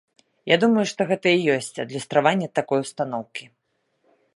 Я думаю, што гэта і ёсць адлюстраванне такой устаноўкі.